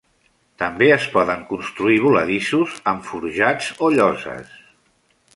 També es poden construir voladissos amb forjats o lloses.